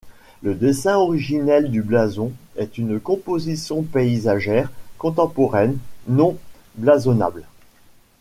Le dessin originel du blason est une composition paysagère contemporaine non blasonnable.